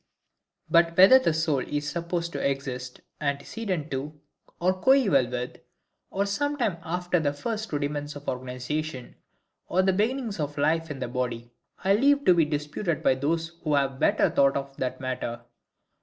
But whether the soul be supposed to exist antecedent to, or coeval with, or some time after the first rudiments of organization, or the beginnings of life in the body, I leave to be disputed by those who have better thought of that matter.